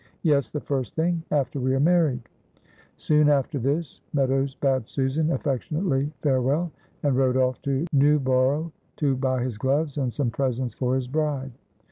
"Yes! the first thing after we are married." Soon after this Meadows bade Susan affectionately farewell, and rode off to Newborough to buy his gloves and some presents for his bride.